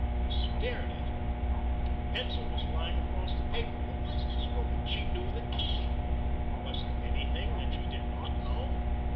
He stared at her. Her pencil was flying across the paper. Who was this woman? She knew the key! Was there anything that she did not know?